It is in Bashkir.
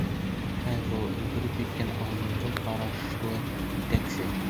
Хәҙер ул — өлгөрөп еткән алдынғы ҡарашлы етәксе.